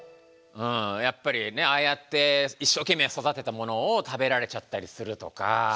やっぱりねああやって一生懸命育てたものを食べられちゃったりするとか。